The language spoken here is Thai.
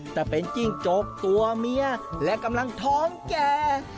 แต่เป็นจิ้งจกตัวเมียและกำลังท้องแก่